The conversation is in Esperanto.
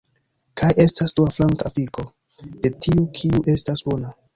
Kaj estas dua flanka afiko de tiu kiu estas bona